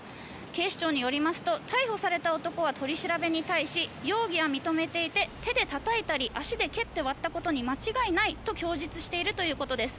警視庁によりますと逮捕された男は取り調べに対し容疑は認めていて手でたたいたり足で蹴って割ったことに間違いないと供述しているということです。